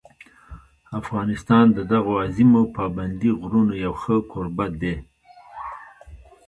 افغانستان د دغو عظیمو پابندي غرونو یو ښه کوربه دی.